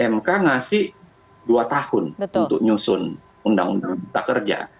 mk ngasih dua tahun untuk nyusun undang undang kita kerja